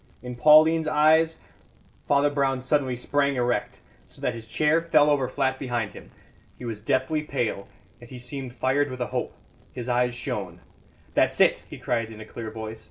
In Pauline's eyes " Father Brown suddenly sprang erect, so that his chair fell over flat behind him. He was deathly pale, yet he seemed fired with a hope; his eyes shone. "That's it!" he cried in a clear voice.